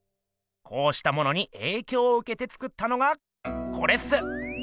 こうしたものにえいきょうをうけて作ったのがコレっす。